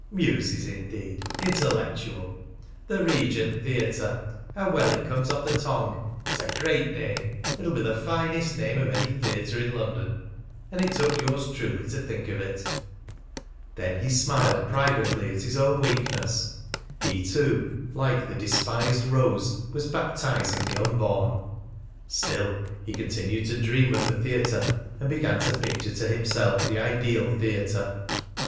'Muses' indeed! ... 'Intellectual!' ... 'The Regent Theatre!' How well it comes off the tongue! It's a great name! It'll be the finest name of any theatre in London! And it took yours truly to think of it!" Then he smiled privately at his own weakness.... He too, like the despised Rose, was baptising the unborn! Still, he continued to dream of the theatre, and began to picture to himself the ideal theatre.